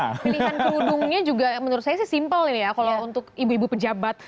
pilihan tudungnya juga menurut saya sih simple ya kalau untuk ibu ibu pejabat